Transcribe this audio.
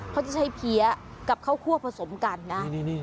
เขาจะใช้เพี้ยกับข้าวคั่วผสมกันนะ